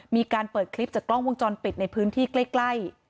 มีการเปิดคลิปจากกล้องวงจรปิดในพื้นที่ใกล้